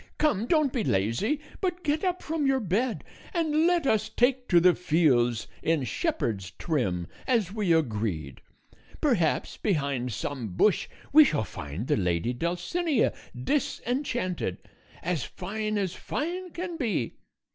Come, don't be lazy, but get up from your bed and let us take to the fields in shepherd's trim as we agreed. Perhaps behind some bush we shall find the lady Dulcinea disenchanted, as fine as fine can be.